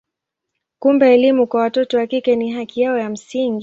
Kumbe elimu kwa watoto wa kike ni haki yao ya msingi.